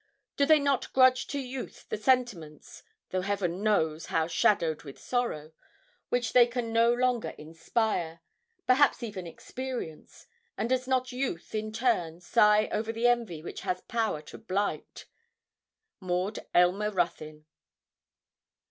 Do they not grudge to youth the sentiments (though Heaven knows how shadowed with sorrow) which they can no longer inspire, perhaps even experience; and does not youth, in turn, sigh over the envy which has power to blight? MAUD AYLMER RUTHYN.'